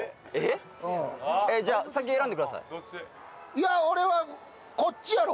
いや俺はこっちやろ。